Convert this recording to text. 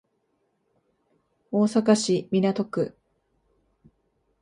大阪市港区